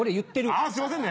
あぁすいませんね！